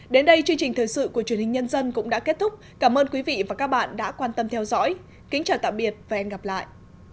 đến đây chương trình thời sự của truyền hình nhân dân cũng đã kết thúc cảm ơn quý vị và các bạn đã quan tâm theo dõi kính chào tạm biệt và hẹn gặp lại